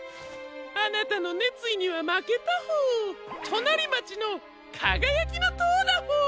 あなたのねついにはまけたホォー。となりまちの「かがやきのとう」だホォー。